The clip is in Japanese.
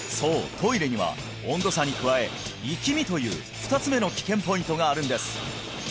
トイレには温度差に加えいきみという２つ目の危険ポイントがあるんです